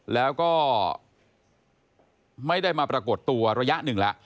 แล้วก็ไม่ได้มาปรากฏตัวระยะหนึ่งแล้ว